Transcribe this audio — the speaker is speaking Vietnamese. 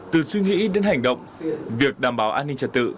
từ suy nghĩ đến hành động việc đảm bảo an ninh trật tự